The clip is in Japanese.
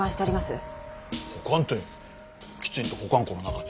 保管ってきちんと保管庫の中に。